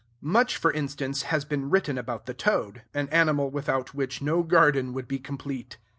Much, for instance, has been written about the toad, an animal without which no garden would be complete.